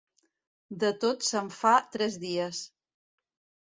De tot se'n fa tres dies.